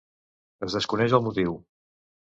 Es desconeix el motiu.